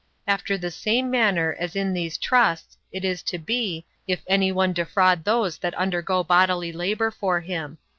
After the same manner as in these trusts it is to be, if any one defraud those that undergo bodily labor for him.